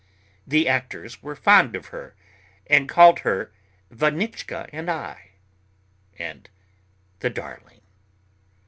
The actors were fond of her and called her "Vanichka and I" and "the darling."